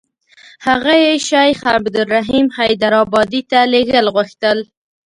هغه یې شیخ عبدالرحیم حیدارآبادي ته لېږل غوښتل.